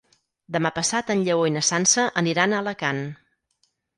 Demà passat en Lleó i na Sança aniran a Alacant.